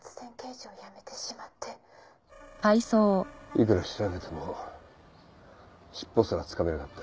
いくら調べても尻尾すらつかめなかった。